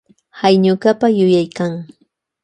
Hay ñukapa yuyaykan.